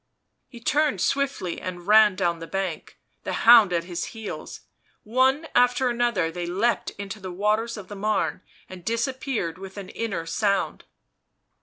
He turned swiftly and ran down the bank, the hound at his heels ; one after another they leaped into the waters of the Marne and disappeared with an inner sound.